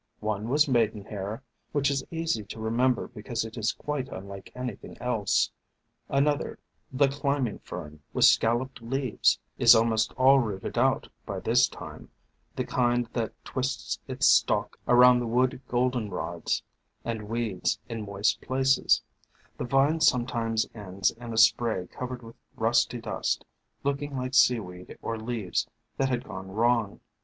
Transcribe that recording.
One was Maidenhair, which is easy to remember because it is quite unlike anything else. Another, the Climbing Fern, with scalloped leaves, is almost all rooted out by this time — the kind that twists its stalk around the wood Goldenrods and weeds in moist places; the vine sometimes ends in a spray covered with rusty dust, looking like seaweed or leaves that had gone wrong.